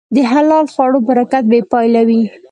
د حلال خوړو برکت بېپایله وي.